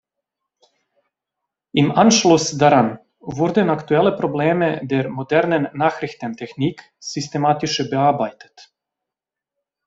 Im Anschluss daran wurden aktuelle Probleme der modernen Nachrichtentechnik systematische bearbeitet.